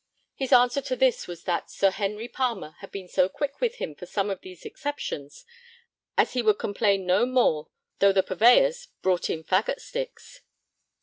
His answer to this was 'that Sir Henry Palmer had been so quick with him for some of these exceptions as he would complain no more though the purveyors brought in faggot sticks.'